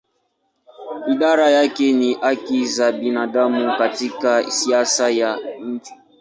Idara yake ni haki za binadamu katika siasa ya nje.